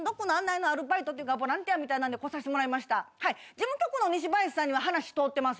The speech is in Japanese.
事務局のニシバヤシさんには話通ってます。